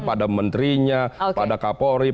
pada menterinya pada kapolri